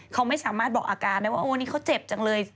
เขาไม่สามารถบอกอาการได้ว่าโอ้นี่เขาเจ็บจังเลย